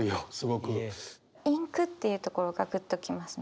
インクっていうところがグッと来ますね。